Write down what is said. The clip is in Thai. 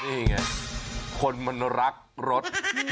นี่ไงคนมันรักรถ